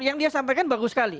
yang dia sampaikan bagus sekali